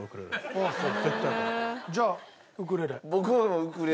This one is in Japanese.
じゃあウクレレ。